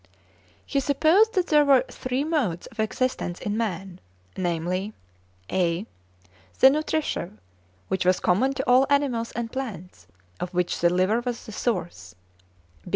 He supposed that there were three modes of existence in man, namely (a) The nutritive, which was common to all animals and plants, of which the liver was the source.